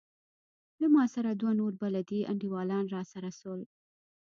له ما سره دوه نور بلدي انډيوالان راسره سول.